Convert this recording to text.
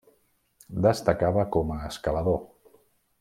Destacava com a escalador.